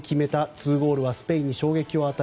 ２ゴールはスペインに衝撃を与え